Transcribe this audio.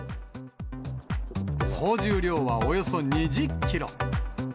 総重量はおよそ２０キロ。